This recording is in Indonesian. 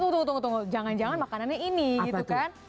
tunggu tunggu jangan jangan makanannya ini gitu kan